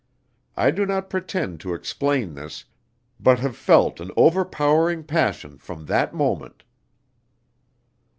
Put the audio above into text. I do not pretend to explain this, but have felt an overpowering passion from that moment."